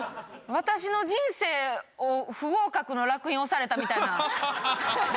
私の人生を不合格のらく印押されたみたいな。